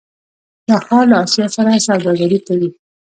دا ښار له اسیا سره سوداګري کوي.